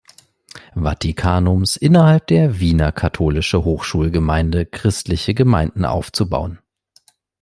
Vatikanums innerhalb der Wiener Katholische Hochschulgemeinde christliche Gemeinden aufzubauen.